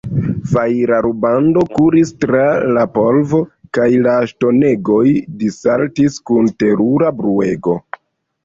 Fajra rubando kuris tra la polvo, kaj la ŝtonegoj dissaltis kun terura bruego.